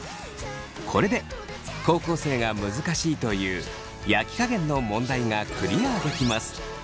これで高校生が難しいという焼き加減の問題がクリアできます。